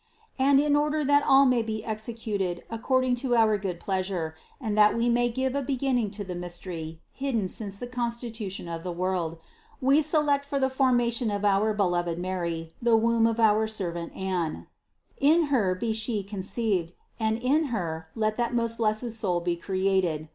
And in order that all may be executed according to our good pleas ure, and that We may give a beginning to the mystery hidden since the constitution of the world, We select for the formation of our beloved Mary the womb of our servant Anne; in her be She conceived and in her let THE CONCEPTION 167 that most blessed Soul be created.